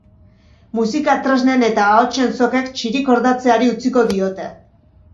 Musika tresnen eta ahotsen sokek txirikordatzeari utziko diote.